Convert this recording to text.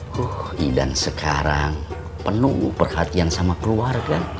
huff idan sekarang penuh perhatian sama keluarga